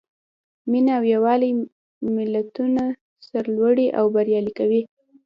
مینه او یووالی ملتونه سرلوړي او بریالي کوي.